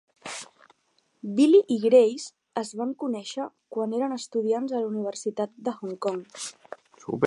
Billy i Grace es van conèixer quan eren estudiants a la Universitat de Hong Kong.